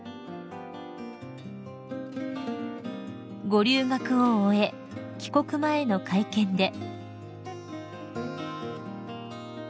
［ご留学を終え帰国前の会見で］